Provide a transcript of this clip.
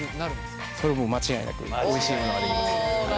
それはもう間違いなくおいしいものが出来ます。